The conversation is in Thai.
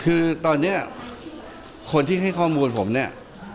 คือตอนนี้คนที่ให้ข้อมูลผมเนี่ย